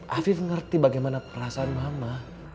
afid ngerti bagaimana perasaan mama